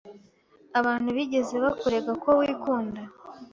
Abantu bigeze bakurega ko wikunda?